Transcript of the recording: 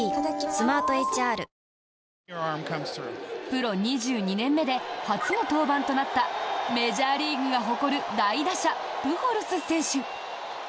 プロ２２年目で初の登板となったメジャーリーグが誇る大打者プホルス選手。